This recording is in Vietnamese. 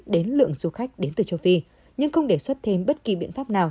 đến lượng du khách đến từ châu phi nhưng không đề xuất thêm bất kỳ biện pháp nào